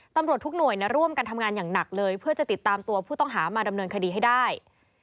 ตำรวจทุกหน่วยร่วมกันทำงานอย่างหนักเลยเพื่อจะติดตามตัวผู้ต้องหามาดำเนินคดีให้ได้